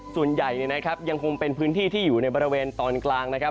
ส่วนใหญ่ยังคงเป็นพื้นที่ที่อยู่ในบริเวณตอนกลางนะครับ